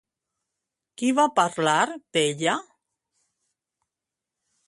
Qui va parlar d'ella?